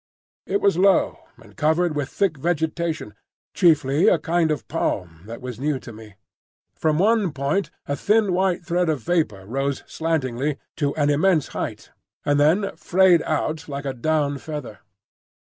It was low, and covered with thick vegetation,—chiefly a kind of palm, that was new to me. From one point a thin white thread of vapour rose slantingly to an immense height, and then frayed out like a down feather.